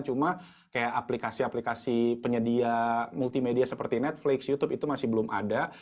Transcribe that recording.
cuma kayak aplikasi aplikasi penyedia multimedia seperti netflix youtube itu masih belum ada